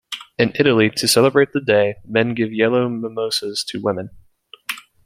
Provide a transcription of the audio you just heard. In Italy, to celebrate the day, men give yellow mimosas to women.